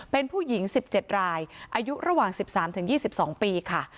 เป็นผู้หญิง๑๗รายอายุระหว่าง๑๓๒๒ปีค่ะ